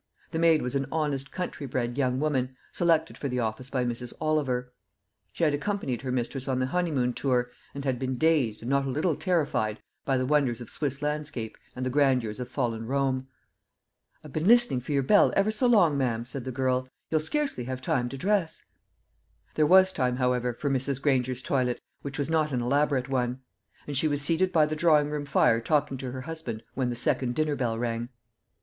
The maid was an honest country bred young woman, selected for the office by Mrs. Oliver. She had accompanied her mistress on the honeymoon tour, and had been dazed and not a little terrified by the wonders of Swiss landscape and the grandeurs of fallen Rome. "I've been listening for your bell ever so long, ma'am," said the girl; "you'll scarcely have time to dress." There was time, however, for Mrs. Granger's toilet, which was not an elaborate one; and she was seated by the drawing room fire talking to her husband when the second dinner bell rang.